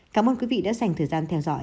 cảm ơn quý vị đã dành thời gian theo dõi